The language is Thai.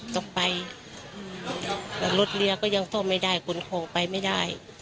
ต้องไปอืมแล้วรถเรียกก็ยังต้องไม่ได้คุณคงไปไม่ได้